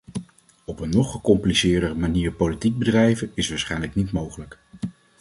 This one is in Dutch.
Op een nog gecompliceerder manier politiek bedrijven is waarschijnlijk niet mogelijk.